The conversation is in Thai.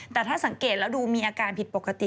แต่ถ้าสังเกตแล้วดูมีอาการผิดปกติ